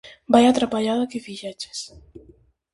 Vaia trapallada que fixeches.